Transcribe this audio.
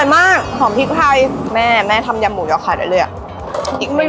มีขอเสนออยากให้แม่หน่อยอ่อนสิทธิ์การเลี้ยงดู